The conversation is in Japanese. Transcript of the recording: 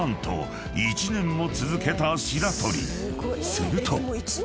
すると］